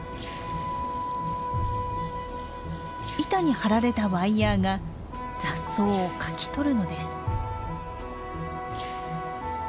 板に張られたワイヤーが雑草をかき取るのです。